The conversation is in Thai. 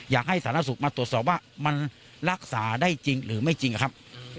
อยากให้สาธารณสุทธิ์มาตรวจสอบว่ามันรักษาได้จริงหรือไม่จริงครับ